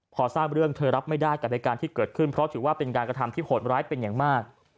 พอทราบเรื่องเธอรับไม่ได้กับเหตุการณ์ที่เกิดขึ้นเพราะถือว่าเป็นการกระทำที่โหดร้ายเป็นอย่างมาก